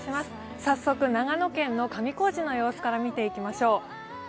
早速、長野県の上高地の様子から見ていきましょう。